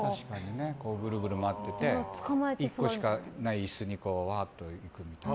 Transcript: グルグル回ってて１個しかない椅子をわーっと行くみたいな。